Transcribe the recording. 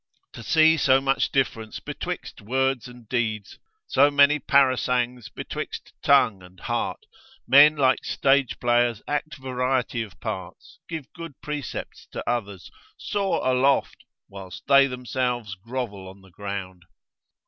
To see so much difference betwixt words and deeds, so many parasangs betwixt tongue and heart, men like stage players act variety of parts, give good precepts to others, soar aloft, whilst they themselves grovel on the ground.